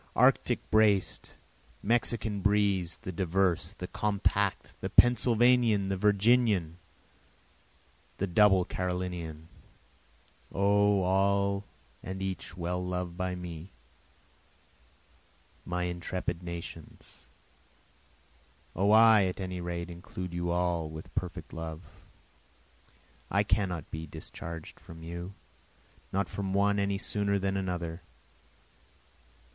Arctic braced! Mexican breez'd! the diverse! the compact! The Pennsylvanian! the Virginian! the double Carolinian! O all and each well loved by me! my intrepid nations! O I at any rate include you all with perfect love! I cannot be discharged from you! not from one any sooner than another!